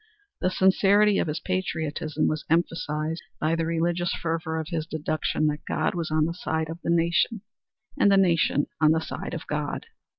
The sincerity of his patriotism was emphasized by the religious fervor of his deduction that God was on the side of the nation, and the nation on the side of God.